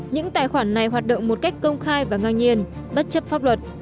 những tài khoản này hoạt động một cách công khai và ngang nhiên bất chấp pháp luật